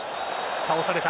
倒された。